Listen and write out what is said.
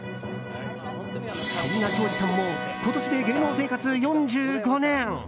そんなショージさんも今年で芸能生活４５年。